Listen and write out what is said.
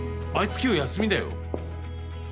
今日休みだよ。